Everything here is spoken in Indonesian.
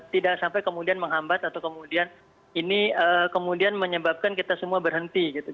tidak sampai kemudian menghambat atau kemudian ini kemudian menyebabkan kita semua berhenti gitu